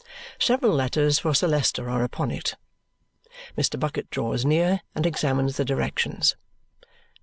Several letters for Sir Leicester are upon it. Mr. Bucket draws near and examines the directions.